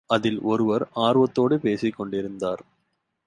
அதில் ஒருவர், ஆர்வத்தோடு பேசிக் கொண்டிருந்தார்.